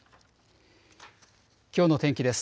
きょうの天気です。